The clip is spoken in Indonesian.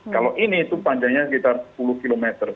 kalau ini itu panjangnya sekitar sepuluh km